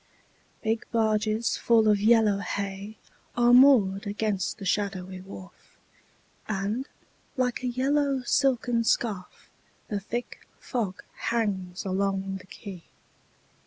Big barges full of yellow hay Are moored against the shadowy wharf, And, like a yellow silken scarf, The thick fog hangs along the quay.